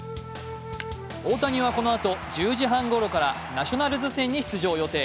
大谷はこのあと１０時半ごろからナショナルズ戦に出場予定。